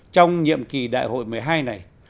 trong nhiệm kỳ đại hội một mươi hai này